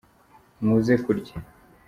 muze kurya